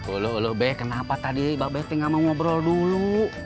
olah olah be kenapa tadi mbak bethe nggak mau ngobrol dulu